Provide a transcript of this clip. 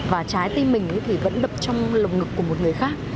và trái tim mình thì vẫn đập trong lồng ngực của một người khác